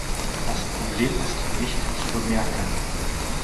Das Problem ist nicht zu bemerken.